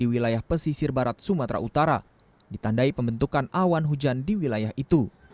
wilayah pesisir barat sumatera utara ditandai pembentukan awan hujan di wilayah itu